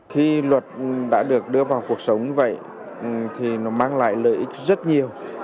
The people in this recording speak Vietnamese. khi luật đã được đưa vào cuộc sống vậy thì nó mang lại lợi ích rất nhiều